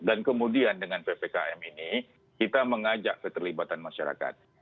dan kemudian dengan ppkm ini kita mengajak keterlibatan masyarakat